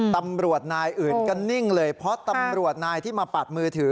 ตำรวจนายอื่นก็นิ่งเลยเพราะตำรวจนายที่มาปัดมือถือ